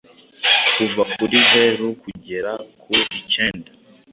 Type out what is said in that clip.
kuva kuri zeru kugera ku ikenda.